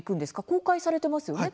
公開されてますよね？